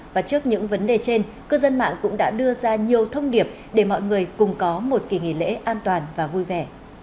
và trước những vấn đề trên cư dân mạng cũng đã đưa ra nhiều thông điệp để mọi người cùng có một kỳ nghỉ lễ an toàn và vui vẻ